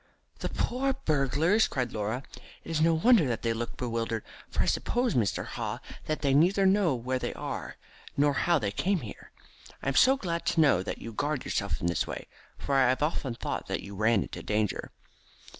"The poor burglars!" cried Laura. "It is no wonder that they look bewildered, for I suppose, Mr. Haw, that they neither know where they are, nor how they came there. I am so glad to know that you guard yourself in this way, for I have often thought that you ran a danger."